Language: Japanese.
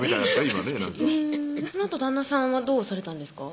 今ねなんかそのあと旦那さんはどうされたんですか？